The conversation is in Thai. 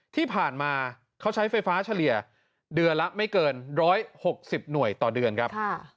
ที่ผ่านมาเขาใช้ไฟฟ้าเฉลี่ยเดือนละไม่เกิน๑๖๐หน่วยต่อเดือนครับ